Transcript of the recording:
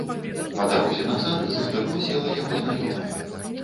Па дарозе назад за стырно села яго знаёмая.